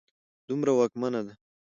دومره واکمنه ده